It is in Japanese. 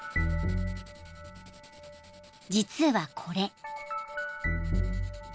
［実はこれ］